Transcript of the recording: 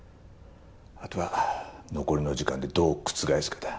あとは残りの時間でどう覆すかだ。